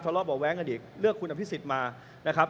ทะเลาะบอกแว๊งกันอีกเลือกคุณอภิกษิตมานะครับ